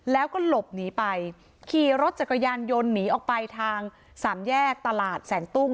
แล้วก็หลบหนีไปขี่รถจักรยานยนต์หนีออกไปทางสามแยกตลาดแสนตุ้ง